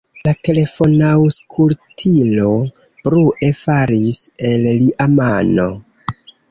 La telefonaŭskultilo brue falis el lia mano.